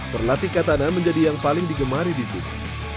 berlatih katana menjadi yang paling digemari di sini